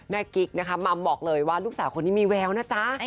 กิ๊กนะคะมัมบอกเลยว่าลูกสาวคนนี้มีแววนะจ๊ะ